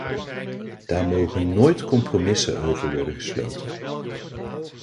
Daar mogen nooit compromissen over worden gesloten.